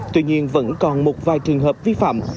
tuy nhiên vẫn còn một vài trường hợp vi phạm